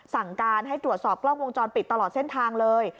สั่งการให้ตรวจสอบกล้องวงจรปิดตลอดเส้นทางเลย